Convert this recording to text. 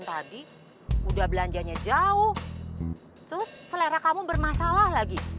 tadi udah belanjanya jauh terus selera kamu bermasalah lagi